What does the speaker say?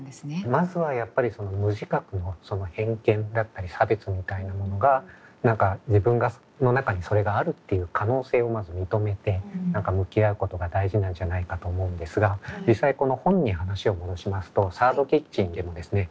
まずはやっぱりその無自覚の偏見だったり差別みたいなものが何か自分の中にそれがあるっていう可能性をまず認めて何か向き合うことが大事なんじゃないかと思うんですが実際この本に話を戻しますと「サード・キッチン」でもですね